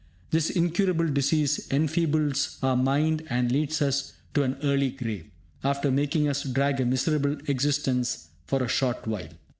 This incurable disease enfeebles our mind and leads us to an early grave, after making us drag a miserable existence for a short while.